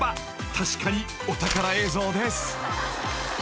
確かにお宝映像です］